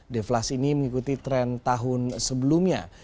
deflasi ini mengikuti tren tahun sebelumnya